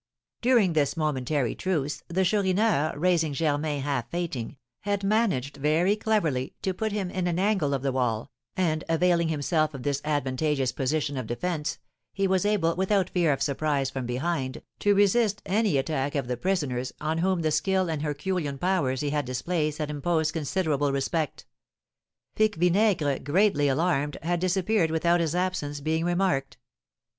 During this momentary truce, the Chourineur, raising Germain half fainting, had managed very cleverly to put him in an angle of the wall, and, availing himself of this advantageous position of defence, he was able, without fear of surprise from behind, to resist any attack of the prisoners, on whom the skill and herculean powers he had displayed had imposed considerable respect. Pique Vinaigre, greatly alarmed, had disappeared without his absence being remarked.